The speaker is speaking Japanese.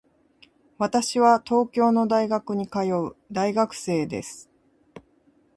私は東京の大学に通う大学生です。